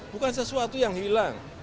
bukan sesuatu yang hilang